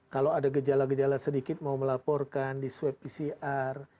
kalau ada gejala gejala sedikit mau melaporkan di swab pcr